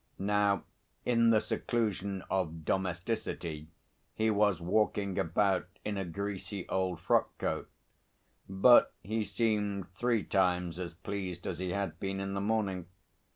Now in the seclusion of domesticity he was walking about in a greasy old frock coat, but he seemed three times as pleased as he had been in the morning.